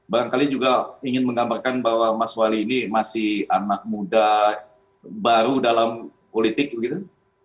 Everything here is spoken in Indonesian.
barangkali juga ingin menggambarkan bahwa mas wali ini masih anak muda baru dalam politik gitu